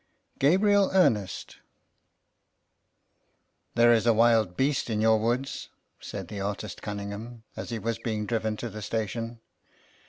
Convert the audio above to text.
GABRIELERNEST " nr^HERE is a wild beast in your woods," X said the artist Cunningham, as he was being driven to the station.